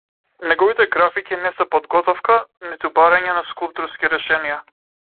Неговите графики не се подготовка, ниту барање на скулпторски решенија.